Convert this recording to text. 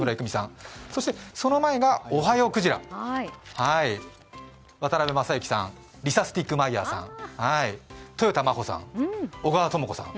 その前が「おはようクジラ」渡辺正行さん、リサ・スティックマイヤーさん、とよた真帆さん、小川知子さん。